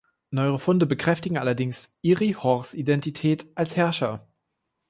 Neuere Funde bekräftigen allerdings Iri-Hors Identität als Herrscher.